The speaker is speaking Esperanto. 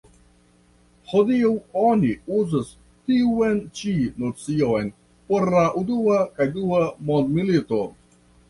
Hodiaŭ oni uzas tiun ĉi nocion por la unua kaj dua mondmilito.